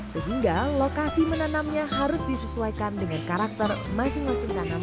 sehingga lokasi menanamnya harus disesuaikan dengan karakter masing masing tanaman